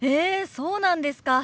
そうなんですか。